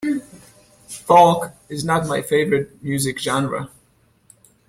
Folk is not my favorite music genre.